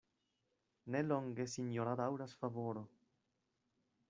Ne longe sinjora daŭras favoro.